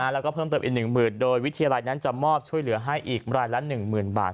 แล้วก็เพิ่มเติมอีก๑หมื่นโดยวิทยาลัยนั้นจะมอบช่วยเหลือให้อีกรายละ๑๐๐๐บาท